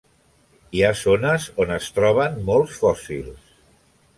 Hi ha zones on es troben molts fòssils.